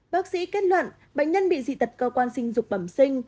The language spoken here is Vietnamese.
bác sĩ kết luận bệnh nhân bị dị tật cơ quan sinh dục bẩm sinh